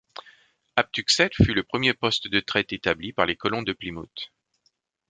Aptucxet fut le premier poste de traite établi par les colons de Plymouth.